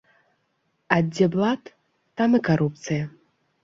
А дзе блат, там і карупцыя.